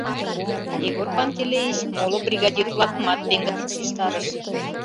Егор Пантелеич моло бригадир-влакымат пеҥгыдын шижтарыш.